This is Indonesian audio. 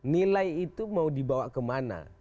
nilai itu mau dibawa kemana